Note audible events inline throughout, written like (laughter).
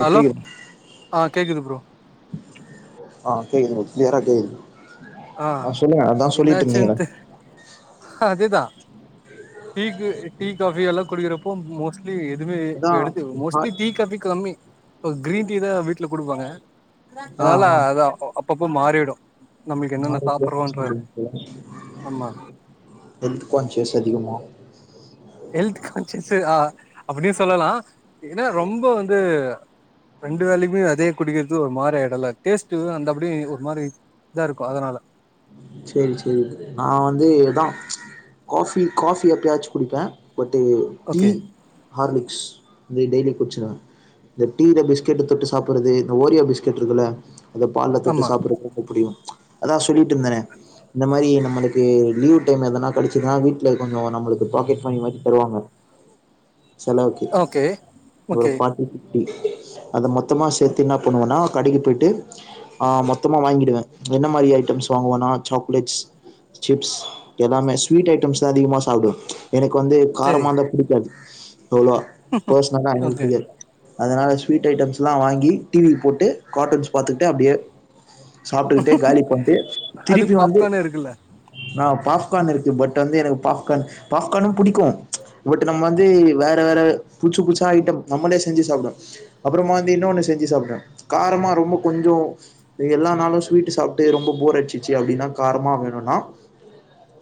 Bro hello கேக்குது ஆ கேக்குது ப்ரோ ஆ கேக்குது கிளியரா கேக்குது ஆ சொல்லுங்க அதா சொல்லீட்ருந்தீங்களே ஹதுதா டீக்கு டீ காஃபி எல்லா குடிக்கறப்போ மோஸ்ட் ட்லி எதுமே அதா எடுத்து ஆ மோஸ்ட்லி டீ காஃபி கம்மி ஓ கிரீன் டீ தா வீட்டுல குடுப்பாங்க ஆ அதனால ஆ அது அ அப்பப்ப மாறிடு நம்மளுக்கு என்னென்ன சாப்புட்றோன்ற ஆமா (unintelligible) ஹெல்த் கான்சியஸ் அதிகமா ஹெல்த் கான்சியஸு ஆ அப்டியு சொல்லலா ஏன்னா ரொம்ப வந்து ரெண்டு வேலையுமே அதே குடிக்கறது ஒரு மாரி ஆயிடுல்ல டேஸ்ட்டு அந்த அப்படி ஒரு மாரி இதா இருக்கு அதனால சேரி சேரி நா வந்து இதா காஃபி காஃபி எப்பயாச்சு குடிப்ப பட்டு டீ ஓகே ஹார்லிக்ஸ் இது டெய்லி குடிச்சிருவ இந்த டீல பிஸ்கெட்டு தொட்டு சாப்படுறது இந்த ஓரியோ பிஸ்கெட் இருக்குல்ல அத பால்ல தொட்டு ஆமா சாப்பட்றது ரொம்ப புடிக்கு அதா சொல்லிட்ருந்தனே இந்த மாரி நம்மளுக்கு லீவ் டைம் எதன்னா கெடச்சுதுன்னா வீட்ல கொஞ்சோ நம்மளுக்கு பாக்கெட் மணி மாரி தருவாங்க செலவுக்கு ஓகே ஒரு ஓகே (unintelligible) டி. அத மொத்தமா சேத்து என்ன பண்ணுவன்னா கடைக்கு போயிட்டு ஆ மொத்தமா வாங்கிடுவ என்ன மாரி ஐட்டம்ஸ் வாங்குவனா சாக்லேட்ஸ் சிப்ஸ் எல்லாமே ஸ்வீட் ஐட்டம்ஸ் தா அதிகமா சாப்டுவ எனக்கு வந்து செரி காரமா இருந்தா புடிக்காது அவ்ளோ பெர்ஸ்னலா எனக்கு ஓகே புடிக்காது அதனால ஸ்வீட் ஐட்டம்ஸ்லா வாங்கி டி வி போட்டு கார்ட்டூன்ஸ் பாத்துக்கிட்டு அப்டியே சாப்ட்டுக்கிட்டே காலி பண்ட்டு அதுக்கு திருப்பி வந்து பாப்கார்னே இருக்குல்ல ஆ பாப்கான் இருக்கு பட் வந்து எனக்கு பாப்கான் பாப்கானு பிடிக்கு பட் நம்ம வந்து வேற வேற பூச்சு புதுசா ஐட்டம் நம்மளே செஞ்சு சாப்டுவோ அப்பறமா வந்து இன்னொன்னு செஞ்சு சாப்டுவ காரமா ரொம்ப கொஞ்சோ இது எல்லா நாளு ஸ்வீட்டு சாப்ட்டு ரொம்ப போர் அடிச் ச்சி அப்டினா காரமா வேணுனா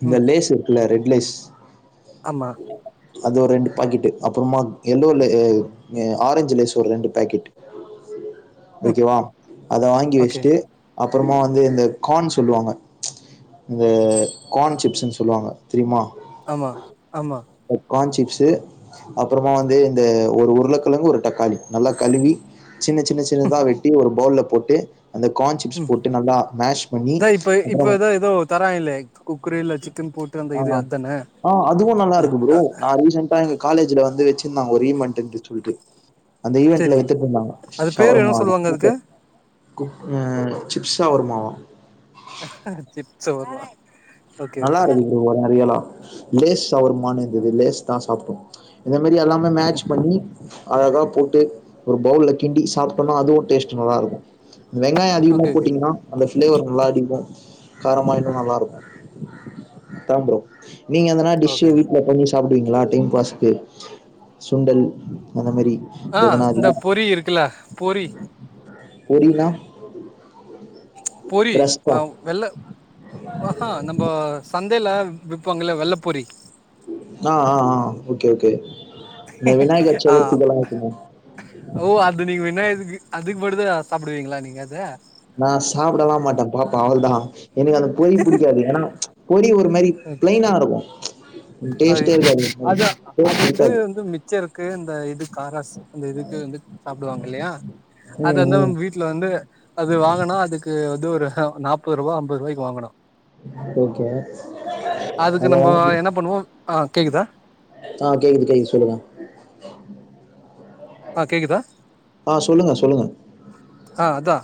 இந்த ம் லேஸ் இருக்குல ரெட் லேஸ் ஆமா அது ஒரு ரெண்டு பாக்கெட்டு் அப்புறமா எல்லோல எ அ ஆரஞ்சி லேஸ் ஒரு ரெண்டு பாக்கெட் ம் ஓகேவா அத வாங்கி ஓகே வச்ட்டு அப்புறமா வந்து இந்த கான்ஸ் சொல்லுவாங்க இந்த கான் சிப்ஸ்ன் சொல்லுவாங்க தெரியுமா ஆமா ஆமா ஒர் கான் சிப்ஸு அப்புறமா வந்து இந்த ஒரு உருளக்கெழங்கு ஒரு தக்காளி நல்லா கழுவி சின்ன சின்ன சின்னதா வெட்டி ஒரு பவுல்ல போட்டு அந்த கான் சிப்ஸ் ம் போட்டு நல்லா மேஷ் பண்ணி இதா இப்ப இப்ப அப்புறம் ஏதோ ஏதோ தராங்கள்ளே குக்குரேல சிக்கன் போட் ஆ ஆ அதுவு நல்லாருக்கு ப்ரோ நா ரீசென்டா இங்க காலேஜ்ல வந்து வச்சுருந்தாங்க ஒரு ஈமெண்ட்க்கு சொல்ட்டு அந்த ஈவென்ட்ல சரி வித்துட் இருந்தாங்க அது பேரு ஷவர்மா என்ன அது சொல்லுவாங்க அதுக்கு கூப்பர் குக் அ சிப்ஸா வருமாவா சிப்ஸு வருமா நல்லாருக்கு ப்ரோ வரு நெறையாலா லேஸ் சவர்மானு இருந்தது லேஸ் தா சாப்ட்டோ இந்த மாரி எல்லாமே மேட்ச் பண்ணி அத தா போட்டு ஒரு பவுல்ல கிண்டி சாப்ட்டோனா அதுவு டேஸ்ட் நல்லா இருக்கு வெங்காய அதிகமா ஓகே ஓகே போட்டீங்கனா அந்த பிளேவர் நல்லா அடிக்கு காரமா இன்னு நல்லா இருக் தா ப்ரோ நீங்க எதுனா டிஷு ஓகே ஓகே வீட்ல போனிஷ் சாப்டுவீங்ளா டைம் பாஸுக்கு சுண்டல் அந்த மாரி ஆ இந்த பொரி இருக்குல்ல பொரி பொரினா ஆ பொரி ஆ வெள்ள ஆஹா நம்ப சந்தைல விப்பாங்கல்ல வெள்ள பொரி ஆ ஆ ஆ ஓகே ஓகே இந்த விநாயகர் ஆ சதுர்த்திக்கெல்லா இருக்குங்க ஓ அது நீங்க விநாயருக்கு அதுக்கு மட்டு தா சாப்டுவீங்ளா நீங்க அத நா சாப்டலா மாட்டே பாப்பா அவள்தா எனக்கு அந்த பொறி புடிக்காது ஏனா பொறி ஒரு மாரி ஓகே தினாருக்கு அது டேஸ்ட் இருக்காது டேஸ்ட் இருக்காது மிச்சருக்கு அந்த இது காராஸ் அந்த இதுக்கு வந்து சாப்டுவாங்க இல்லையா அத ம் வந்த ம் வீட் ல வந்து அது வாங்கனா அதுக்கு வந்து ஒரு நாப்பது ரூவா ஐம்பது ரூவாய்க்கு வாங்கணு ஓகே அதுக்கு ஹலோ நம்ம என்ன பண்ணுவோ ஆ கேக்குதா ஆ கேக்குது கேக்குது சொல்லுங்க ஆ கேக்குதா ஆ சொல்லுங்க சொல்லுங்க ஆ அதா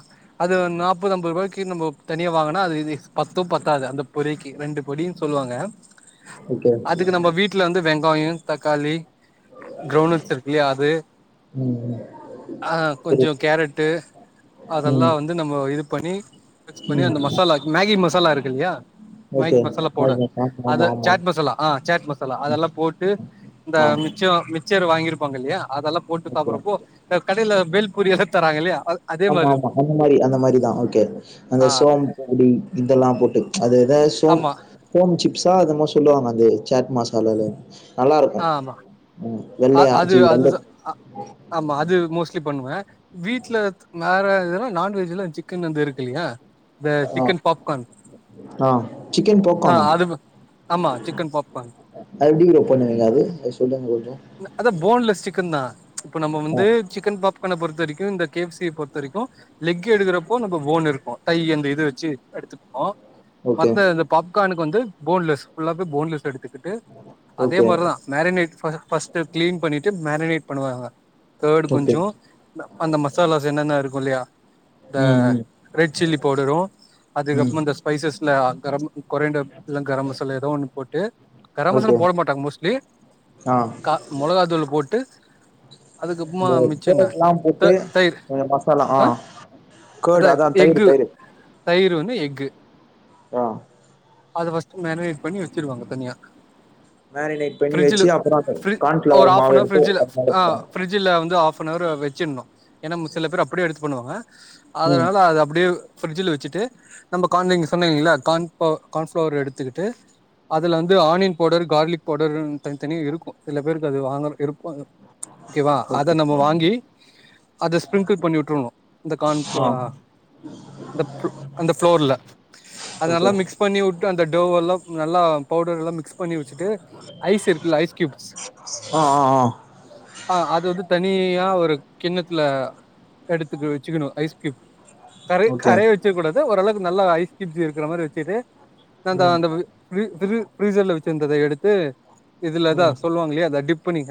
அது நாப்பது ஐம்பது ரூவாய்க்கி நம்போ தனியா வாங்கனா அது இது பத்து பத்தாது அந்த பொறிக்கு ரெண்டு பொடின் சொல்வாங்க ஓகே அதுக்கு நம்ப வீட்ல வந்து வெங்காயோ தக்காளி கிரவுணட்ஸ் இருக்கு இல்லையா அது ம் ம் ஆ சரி கொஞ்சோ கேரட் டு அதெல்லா ம் வந்து நம்மோ இது பண்ணி மிக்ஸ் பண்ணி அந்த ம் மசாலா மேகி மசாலா இருக்கில்லையா மேகி ஓகே மசாலா பவுட அதா ஆமாம் ஆமாம் ஆமாம் சேட் மசாலா ஆ சேட் மசாலா அதெல்லா போட்டு இந்த ஆ மிச்சோ மிச் மிச்சரு வாங்கியிருப்பாங்க இல்லையா அதெல்லா போட்டு ஓகே சாப்புட்றப்போ இந்த கடையில பெல்பூரிய எல்லா தராங்க இல்லையா அதே ஆமா மாரி ஆமா இருக்கு அந்த மாரி அந்த மாரிதா ஓகே அந்த ஆ சோம் பப்புடி இதெல்லா போட்டு அது எதோ சோம் ஆமா ஹோம் சிப்ஸா அ மாரி சொல்லுவாங்க அந்த சேட் மசாலால்ல நல்லா இருக்கு ஆ ஆமா ம் அ வெள்ளையா அது சி அது வெள்ள ஆமா அது மோஸ்ட்லி பண்ணுவே வீட்ல வேற எதுனா நான்வெஜ்ல சிக்கன் வந்து இருக்கு இல்லையா இந்த ஆ. சிக்கன் பாப்கான் ஆ சிக்கன் ஆ பாப்கார்னா? அது ஆமா சிக்கன் பாப்கார்ன் அது எப்டி ப்ரோ பண்ணுவிங்க அது சொல்லுங்க கொஞ்சோ அதா போன்லெஸ் சிக்கன் தா இப்ப நம்ம ஆ. வந்து சிக்கன் பாப்கான்ன பொறுத்த வரைக்கு இந்த கே எஃப் சி பொறுத்த வரைக்கு லெக் எடுக்கறப்போ நம்ம போன் இருக்கு தையி அந்த இது வெச்சு எடுத்துப்போ ஓகே. மத்த இந்த பாப்கார்னுக்கு வந்து போன்லெஸ் ஃபுல்லாவே போய் போன்லெஸ் எடுத்துக்கிட்டு அதே ஓகே. மாரிதா மேரினேட் ஃபர்ஸ்ட் கிளீன் பண்ணிட்டு மேரினேட் பண்ணுவாங்க கார்டு ஓகே. கொஞ்சோ அந்த மசாலாஸ் என்னென்ன இருக்கு இல்லையா இந்த ம், ம், ரெட் சில்லி பவுடரு ம். அதுக்கப்பறமா இந்த ஸ்பைசஸ்ல கரம் கொறியாண்ட இதெல்லா கரம் மசாலா எதோ ஒன்னு போட்டு கரம் மசாலா ஓகே. போட மாட்டாங்க மோஸ்ட்லி ஆ அ மொளகா தூள் போட்டு அதுக்கப்மா இந்த மிச்சோ என்ன கர்ட்லாம் த போட்டு தயிர் கொஞ்சம் மசாலா ஆ அதா கர்ட் அதான் தயிர், எஃகு தயிர். தயிரு வந்து எஃகு ஆ. அத ஃபர்ஸ்ட் மேரினேட் பண்ணி வெச்சிருவாங்க தனியா மேரினேட் பண்ணி ஃப்ரிட்ஜ்ல வெச்சி அப்புற அந்த ஃப்ரி கான்ஃபிளவர் மாவு எடுத்து அது மேல போடுவாங்க பிரிட்ஜில வந்து ஹாஃப்நவர் வெச்சிட்ணு ஏன்னா சில பேர் அப்டியே எடுத்து பண்ணுவாங்க ம் அதனால அது அப்டியே ஃப்ரிட்ஜில வெச்சிட்டு நம்ம கான் சொன்னீங்கல்ல கான் கான்ஃப்ளவர் எடுத்துக்கிட்டு அதுல வந்து ஆனியன் பவுடர் கார்லிக் பவுடர்ன் தன்த்தனியா இருக்கு சில பேருக்கு அது வாங்கற்க் இருப்பாங்க. ம்ச் ஓகேவா ஓகே அத நம்ப வாங்கி அத ஸ்ப்ரிங்கிள் பண்ணி விட்ருணு இந்த கான்ப் ஆ அ இந்தப்புல் அந்த ஃப்ளோர்ல அத ஓகே நல்லா மிக்ஸ் பண்ணி உட்டு அந்த டவ் எல்லாப் நல்லா பவுடர் எல்லா மிக்ஸ் பண்ணி வெச்சுட்டு ஐஸ் இருக்குல்ல ஐஸ் கியூப்ஸ் அ அ அ. ஆ அது வந்து தனியா ஒரு கிண்ணத்ல எடுத்துக்கு வெச்சுக்கணு ஐஸ் கியூப் கரை ஓகே கரைய வெச்சுக் கூடாது ஒரளவுக்கு நல்லா ஐஸ் கியூப்ஸ் இருக்குற மாரி வெச்சுகிட்டு அந்த ம் அந்தபிவியு ப்ரீ ப்ரீ ஃப்ரீசர்ல வச்சிருந்தத எடுத்து இதுலதா ம் சொல்லுவாங்கல்லையா அத டிப் பண்ணி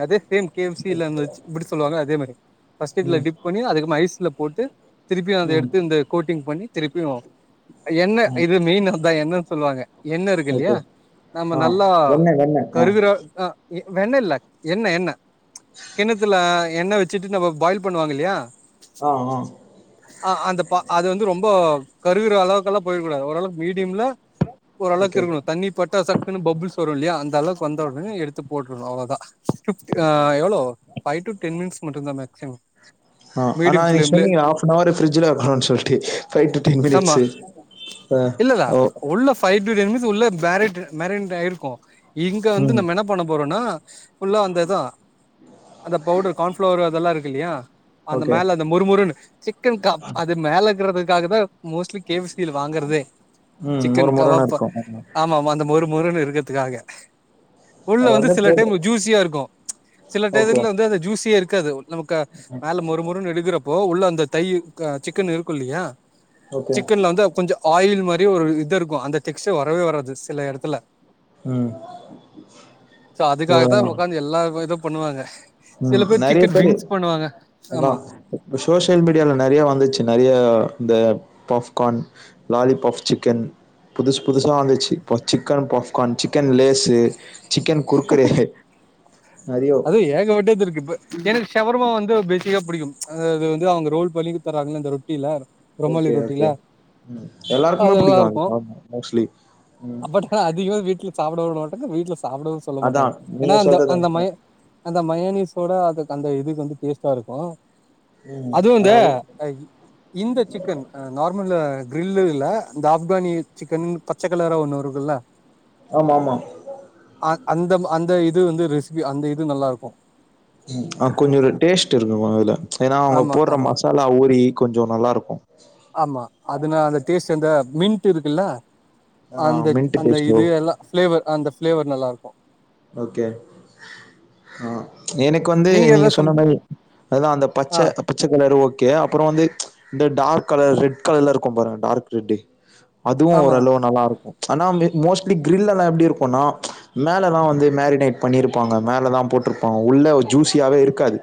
கே எப் சி ல அந்தச் இப்டி சொல்லுவாங்க அதே மாரி ஃபஸ்ட்டு இதுல ம் டிப் பண்ணி அதுக்கப்ம் ஐஸ்ல போட்டு திருப்பியு அத ம் எடுத்து இந்த கோட்டிங் பண்ணி திருப்பியு எண்ண ம் இது மெயின் அத்தா எண்ண சொல்லுவாங்க. எண்ண இருக்கு ஓகே இல்லியா நம்ம ஆ நல்லா வெண்ணெ வெண்ணெ ஆ கருகுற அ எ வெண்ண இல்ல எண்ண எண்ண. ம்ச் கிணத்துல எண்ணெய் வச்சுட்டு நம்ம பாயில் பண்ணுவாங்க இல்லையா ஆ ஆ அ அந்த ப அது வந்து ரொம்போ கருகுற அளவுக்கெல்லா போயிற கூடாது ஒரளவுக் மீடியம்ல ஒரு அளவுக்கு ஓகே இருக்கணு தண்ணிப்பட்டா சக்குன்னு பபுள்ஸ் வருல்லியா அந்தளவுக்கு வந்த உடனே எடுத் த்து போட்ருனு அவ்ளதா ஃபிஃப்த் அ எவ்ளோ ஃபை டு டென் மினிட்ஸ் மட்டுந்தா மேக்ஸிமம். ஆ ஆனா நீ சொன்னீங்கள ஹாஃப்னவரு பிரிஜ்ஜுல வெக்கணுன் சொல்ட்டு ஃபை டு டென் ஆமா மினிட்ஸு அ இல்லல்ல ஓ. உள்ள பைவ் டூ டென் மினிட்ஸ் உள்ள பேரிட்டு மேரினேட் ஆயிருக்கும் இங்க வந்து ம் நம்ம என்னப் பண்ண போறோன்னா ஃபுல்லா அந்த இதா அந்த பவுடர் கான் ஃப்ளவர் அதெல்லா இருக்கு இல்லியா அந்த ஓகே மேல அந்த மொருமொருன்னு சிக்கன் காப் அது மேல இக்கறதபெக்காகதா மோஸ்ட்லி கே எஃப் சி ல வாங்கறதே ம் சிக்கன் மொறு மொறுன்னு கபாப் இருக்கும் ஆமா ஆமாமா அந்த மொரு முரன் இருக்கதுக்காக உள்ள அது வந்து சில போடு டைம்ல ஜூஸியா இருக்கு ம்ச் சில ஓகே டைத்துல வந்து அது ஜூஸியே இருக்காது நமக்க மேல மொறு மொறுன்னு எடுக்கறப்போ உள்ள அந்த தையு க சிக்கன் இருக்கு இல்லையா ஓகே சிக்கன்ல வந்து கொஞ்சோ ஆயில் மாரியு ஒரு இது இருக்கு அந்த டெக்ஸ்ச்ச வரவே வராது சில எடத்துல. ம். சோ ஆ அதுக்காகத்தா ஒக்காந்து எல்லாவ் இது பண்ணுவாங்க. சில ம் பேர் நறிய சிக்கன் பேரு விங்ஸ் பண்ணுவாங்க அதா. ஆமா இந்த சோஷியல் மீடியால நறைய வந்துச்சு நறைய இந்த பஃப்கான் லாலிபாப் சிக்கன் புதுசு புதுசா வந்துச்சி இப்போ chicken popcorn chicken Lay's. Chicken Kurkure நெறையோ ஏகபட்டது இருக்கு இப்ப எனக்கு ஷவர்மா வந்து பேசிக்கா பிடிக்கும் அது வந்து அவுங்க ரோல் பண்ணிகு தராங்கள்ல இந்த ரொ கிளார் எல்லாருக்குமே நல்லா புடிக்கு அது இருக்கு அது ஆமா மோஸ்ட்லி பட் அதிகமா வீட்ல சாப்டவு விடமாட்டாங்க வீட்ல சாப்டவு சொல்ல அதா மாட்டாங்க என்னா நீங்க அந்த சொல்றது அந்த மாய அந்த மயோனிஸோட அதுக்கு அந்த இதுக்கு வந்து டேஸ்ட்டா இருக்கு அதுவு இந்த ஆனா அதி இந்த சிக்கன் நார்மலா கிரில் இல்ல இந்த ஆப்கானி சிக்கன்னு பச்ச கலரா ஒன்னு வருதுல்ல ஆமா ஆமா ஆ அந்தம் அந்த இது வந்து ரெசிபி அந்த இது நல்லாருக்கு. ம் அ கொஞ்சோ ஒரு டேஸ்ட்டு இருக்குவு அதுல ஏனா அவுங்க ஆமா போட்ற ஆமா மசா ல்லா ஊறி கொஞ்சோ நல்லாருக்கு. ஆமா அதுனா அந்த டேஸ்ட் அந்த மின்ட் இருக்குல ஆ அந்த மின்ட் அந்த டேஸ்டோ இது எல்லா ஃபிளேவர் அந்த ஃபிளேவர் நல்லா இருக்கு ஓகே ஆ எனக்கு வந்து நீங்க எதா சொன்ன சம மாரி அதா அந்த பச்ச ஆ பச்ச கலர் ஓகே அப்றோ வந்து இந்த டார்க் கலர் ரெட் கலர்ல இருக்கு பாருங்க டார்க் ரெட்டு் அதுவு ஆமா ஓரளவு நல்லா இருக்கு ஆனா வந்து மோஸ்ட்லி கிரில் எல்லா எப்டி இருக்குன்னா மேலல்லா வந்து அது மேரினேட் பண்ணிருப்பாங்க மேலல்லா போட்டிருப்பாங்க உள்ள ஜூஸியாவே இருக்காது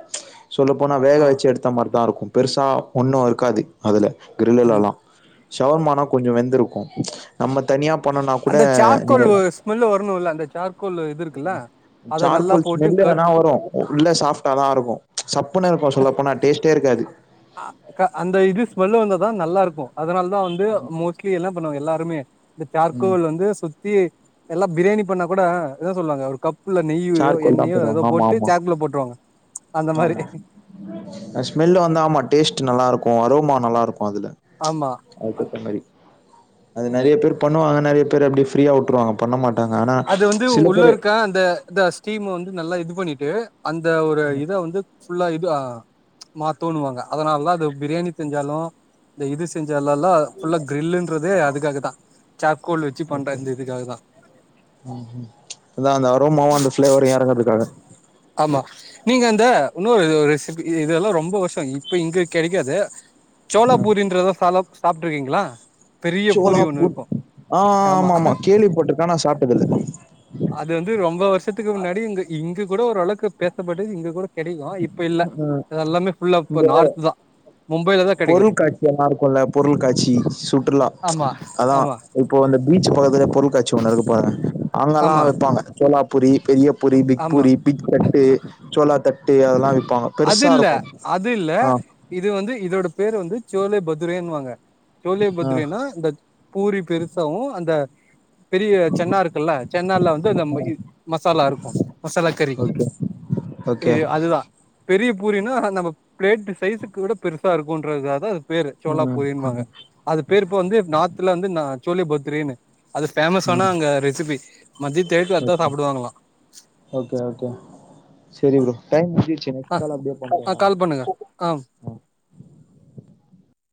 சொல்லப்போனா வேக ஆமா வெச்சி எடுத்த மாரி தா இருக்கு பெருசா ஒன்னு இருக்காது அதல ஆமா கிரில்லுலலெல்லா ஷவர்மானா கொஞ்சோ வெந்திருக்கு நம்ம தனியா பண்ணோனா கூட அந்த இந்த சார்கோல் ஸ்மெல்லு வர்ணுல அந்த சார்கோலு இது இருக்குல்ல அத நல்லா சார்கோல் போட்டு ஸ்மெல்லு கர் ஆனா வரு உள்ள சாஃப்டாதா இருக்கு சப்புனு இருக்கு சொல்ல போனா டேஸ்ட்டே இருக்காது அ க அந்த இது ஸ்மெல்லு வந்தாதா நல்லா இருக்கு அதுனால்தா வந் து மோஸ்ட்லி என்ன பண்ணுவாங்க எல்லாருமே இந்த ம் சார்கோல் வந்து சுத் தி எல்லா பிரியாணி பண்ணா கூட இதா சொல்வாங்க ஒரு கப் குள்ள நெய்யயோ சார்கோல் தா எண்ணயோ அதுல போடுவாங்க ஆமா போட்டு சார்குல்ல போட்ருவாங்க அந்த மாரி ஆமா அது ஸ்மெல்லு வந்து ஆமா டேஸ்ட்டு நல்லா இருக்கு அரோமா நல்லா இருக்கு அதுல ஆமா ஆல்சோ பண்ணவை அது நெறைய பேர் பண்ணுவாங்க நெறைய பேர் அப்டி ஃப்ரீயா உட்ருவாங்க பண்ண மாட்டாங்க ஆனா சில பேரு ஆ அந்த அந்த ஸ்டீம வந்து நல்லா இது பண்ணிட்டு அந்த ஒரு இத வந்து ஃபுல்லா இது ஆ மாத்தோணுவாங்க அதனால்தா அது பிரியாணி செஞ்சாலு இந்த இது செஞ்சாலலா ஃபுல்லா கிரில்ன்றதே அதுக்காகதான சார்கோல் வச்சு பண்ற இந்த இதுக்காகதா ம் ம் அதா அந்த அரோமாவு அந்த ஃப்ளேவரு எறங்குறதுக்காக ஆமா நீங்க அந்த இன்னொரு ரெசிபி இதெல்லா ரொம்ப வர்ஷோ இப்ப இங்க கெடைக்காது சோளா பூரின்றத சாலப் சாப்ட்ருக்கீங்ளா சோலாப்பூர் ஆ ஆமா ஆமா கேள்வி பட்ருப்பே ஆனா சாப்ட்டது இல்லங்க அது வந்து ரொம்ப வருஷத்துக்கு முன்னாடி இங்க இங்க கூட ஓரளக்கு பேசப்பட்டது இங்க கூட கெடைக்கு இப்ப இல்ல அ எல்லாமே ஃபுல்லா இப்ப இந்த நார்த்துதா மும்பைலதா பொருள் காட்சி எல்லா இருக்குல பொருள் காட்சி சுற்றுலா ஆமா அதா ஆமா இப்போ அந்த பீச் பக்கத்துல பொருள்கட்சி ஒன்னு இருக்கு பாரே அங்கெல்லா ஆமா விப்பாங்க சோளாபூரி பெரிய பூரி பிக் ஆமா பூரி பிக் தட்டு சோளா தட்டு அதெல்லா விப்பாங்க அது பெருசா இல்ல இருக்கு அது இல்ல ஆ இது வந்து இதோட பேரு வந்து சோளே பத்ரேன்னுவாங்க சோளே ஆ பத்ரேனா இந்த பூரி பெருசாவு அந்த பெரிய சன்னா இருக்குல சன்னால வந்து தம்ம இ ஆ மசாலா இருக்கு மசாலாக்கறி ஓகே ஓகே இது அதுதா பெரிய பூரினா நம்ம பிளேட்டு சைஸுக்கு விட பெருசா இருக்குன்றதுகாக பேரு ம் சோளாப்பூரின்வாங்க ம் அது பேரு இப்ப வந்து நாத்துல வந்து நா சோளே பத்ரேனு அது ஃபேமஸான ம் அங்க ரெசிபி மத்திய டைத்கு அதா ஓகே சாப்டுவாங்களா ஓகே ஓகே செரி ப்ரோ டைம் முடிஞ்சிசு நெக்ஸ்ட் ஆ கால அப்டே பண்ற ஆ நானு கால் பண்ணுங்க ஆ